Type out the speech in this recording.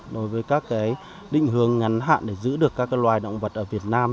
đối với các định hướng ngắn hạn để giữ được các loài động vật ở việt nam